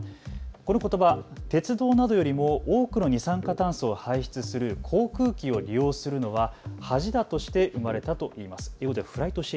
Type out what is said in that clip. このことば、鉄道などよりも多くの二酸化炭素を排出する航空機を利用するのは恥だとして生まれたといいます。